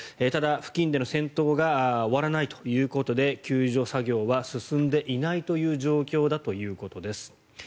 ただ、付近での戦闘が終わらないということで救助作業は進んでいないという状況だということです。